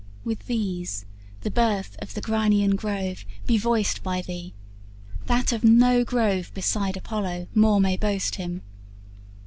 With these the birth of the Grynean grove Be voiced by thee, that of no grove beside Apollo more may boast him."